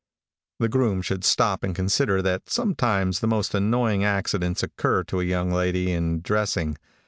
The groom should stop and consider that sometimes the most annoying accidents occur to a young lady in dressing.